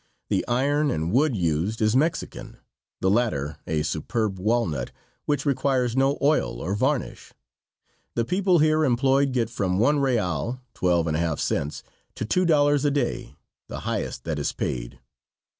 The iron and wood used is Mexican, the latter a superb walnut, which requires no oil or varnish. The people here employed get from one real (twelve and a half cents) to two dollars a day, the highest that is paid.